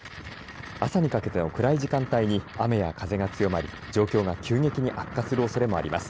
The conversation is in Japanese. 朝にかけての暗い時間帯に雨や風が強まり状況が急激に悪化するおそれもあります。